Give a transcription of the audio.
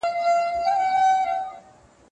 له خپل کار سره مینه ولرئ.